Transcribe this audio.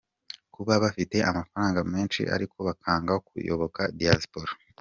Kuba bafite amafaranga menshi ariko bakanga kuyoboka Diaspora